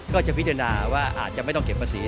ก็จะพิจารณาว่าอาจจะไม่ต้องเก็บภาษี